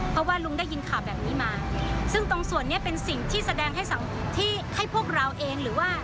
เพราะว่าลุงได้ยินข่าวแบบนี้มาซึ่งตรงส่วนเนี้ยเป็นสิ่งที่แสดงให้สังคมที่ให้พวกเราเองหรือว่า